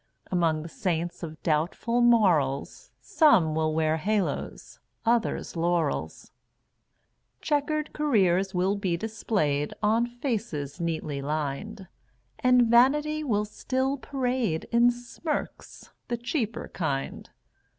Among the Saints of doubtful morals Some will wear halos, others laurels. Checkered careers will be displayed On faces neatly lined, And vanity will still parade In smirks the cheaper kind.